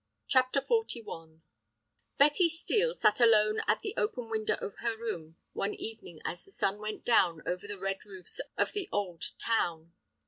CHAPTER XLI Betty Steel sat alone at the open window of her room one evening as the sun went down over the red roofs of the old town.